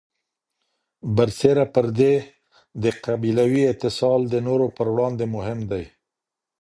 برسېره پر دې، د قبیلوي اتصال د نورو پر وړاندې مهم دی.